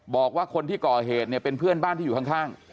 บอกว่าคนที่ก่อเหตุเนี่ยเป็นเพื่อนบ้านที่อยู่ข้าง